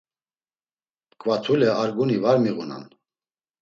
Mǩvatule arguni var miğunan.